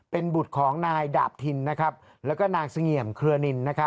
เป็นบุตรของนายดาบทินแล้วก็นางเสงี่ยมเครือนิน